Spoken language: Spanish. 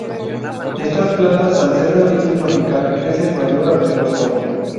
Estas plantas al ser de origen tropical, crecen mejor a pleno sol.